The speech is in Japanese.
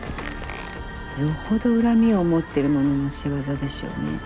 よほど恨みを持ってる者の仕業でしょうね。